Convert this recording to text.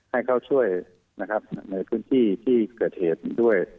ให้เขาช่วยนะครับในพื้นที่ที่เกิดเหตุด้วย